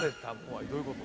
・どういうこと？